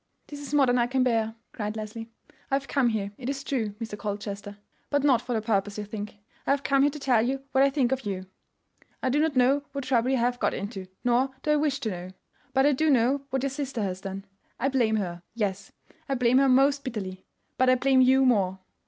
"This is more than I can bear," cried Leslie. "I have come here, it is true, Mr. Colchester; but not for the purpose you think. I have come here to tell you what I think of you. I do not know what trouble you have got into, nor do I wish to know; but I do know what your sister has done. I blame her—yes, I blame her most bitterly; but I blame you more."